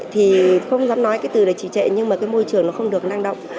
thì không dám nói cái từ đấy trì trệ nhưng mà cái môi trường nó không được năng động